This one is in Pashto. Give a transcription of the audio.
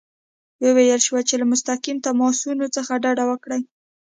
وویل شول چې له مستقیم تماسونو څخه ډډه وکړي.